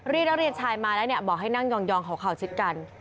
เรียนรักเรียนชายมาแล้วบอกให้นั่งยองข่าวชิดกัน